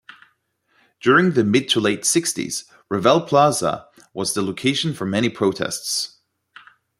During the mid-to-late sixties, Revelle Plaza was the location of many protests.